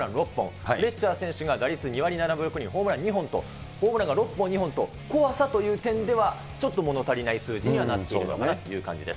フレッチャー選手が打率２割７分６厘ホームラン２本と、ホームランが６本、２本と、怖さという点では、ちょっともの足りない数字にはなっているのかなという感じです。